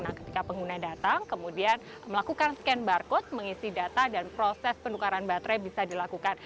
nah ketika pengguna datang kemudian melakukan scan barcode mengisi data dan proses penukaran baterai bisa dilakukan